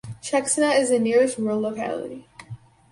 Sheksna is the nearest rural locality.